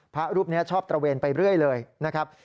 พระรูปนี้ชอบตระเวนไปเรื่อยเลยนะครับ